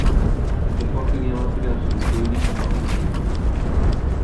এরপর তিনি আবার ফিরে আসেন "দৈনিক মর্নিং নিউজ"-এ।